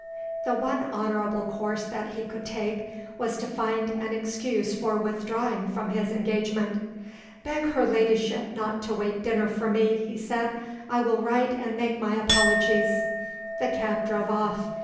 The one honorable course that he could take was to find an excuse for withdrawing from his engagement. "Beg her ladyship not to wait dinner for me," he said. "I will write and make my apologies." The cab drove off.